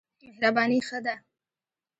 مهرباني ښه ده.